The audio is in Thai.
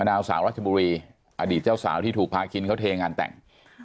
นางสาวรัชบุรีอดีตเจ้าสาวที่ถูกพาคินเขาเทงานแต่ง